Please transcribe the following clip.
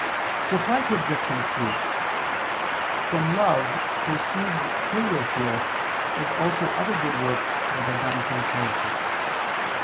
Reply Obj. 2: From love proceeds filial fear as also other good works that are done from charity.